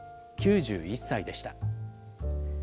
９１歳でした。